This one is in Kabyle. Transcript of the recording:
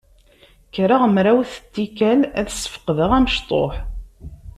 Kkreɣ mrawet n tikkal ad sfeqdeɣ amecṭuḥ.